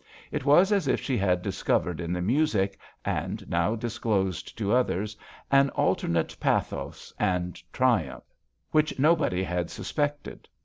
It was as if she had discovered in the music, and now disclosed to others, an alternate pathos and triumph which nobody had suspected.